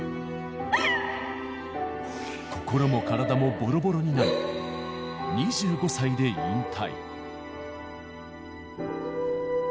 心も体もぼろぼろになり、２５歳で引退。